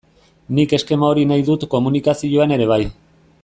Nik eskema hori nahi dut komunikazioan ere bai.